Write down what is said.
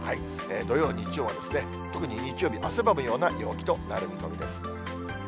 土曜、日曜は、特に日曜日、汗ばむような陽気となる見込みです。